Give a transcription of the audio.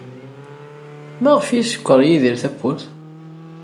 Maɣef ay yeskeṛ Yidir tawwurt?